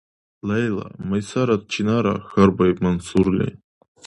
— Лейла, Майсарат чинара? — хьарбаиб Мансурли.